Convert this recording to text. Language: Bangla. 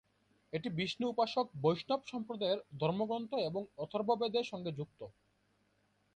এটি বিষ্ণু-উপাসক বৈষ্ণব সম্প্রদায়ের ধর্মগ্রন্থ এবং অথর্ববেদের সঙ্গে যুক্ত।